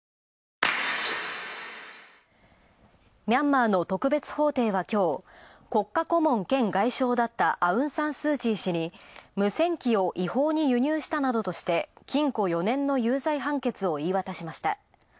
ミャンマーの特別法廷はきょう、国家顧問兼外相だった、アウン・サン・スー・チー氏に無線機を違法に輸入下などとして禁錮４年の有罪判決を言い渡しました。